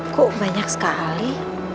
kok banyak sekali